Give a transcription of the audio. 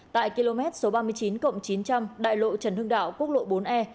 tại km số ba mươi chín chín trăm linh đại lộ trần hưng đảo quốc lộ bốn e